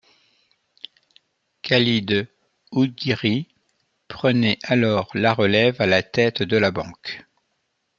Khalid Oudghiri prenait alors la relève à la tête de la banque.